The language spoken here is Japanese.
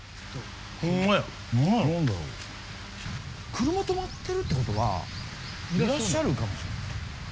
車とまってるってことはいらっしゃるかもしれない。